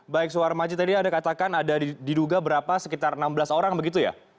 baik suhar maji tadi anda katakan ada diduga berapa sekitar enam belas orang begitu ya